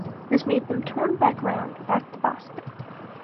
This made them turn back around back to Boston.